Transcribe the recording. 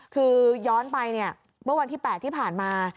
คือย้อนไปเนี่ยเมื่อวันที่๘ที่ผ่านมา